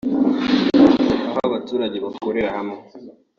aho abaturage bakororera hamwe